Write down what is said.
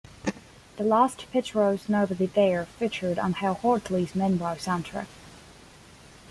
The Lost Patrol's "Nobody There" featured on Hal Hartley's "Meanwhile" soundtrack.